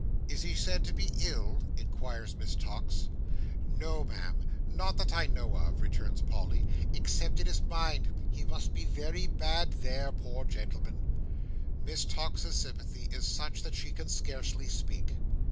"Is he said to be ill?" inquires Miss Tox. "No, Ma'am, not that I know of," returns Polly, "except in his mind. He must be very bad there, poor gentleman!" Miss Tox's sympathy is such that she can scarcely speak.